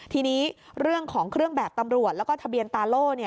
ทีนี้เรื่องของเครื่องแบบตำรวจแล้วก็ทะเบียนตาโล่